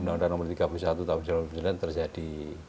undang undang nomor tiga puluh satu tahun dua ribu sembilan belas terjadi